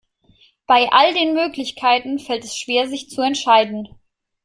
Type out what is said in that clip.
Bei all den Möglichkeiten fällt es schwer, sich zu entscheiden.